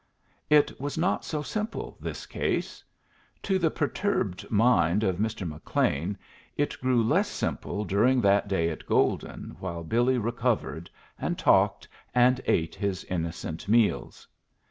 It was not so simple, this case. To the perturbed mind of Mr. McLean it grew less simple during that day at Golden, while Billy recovered, and talked, and ate his innocent meals.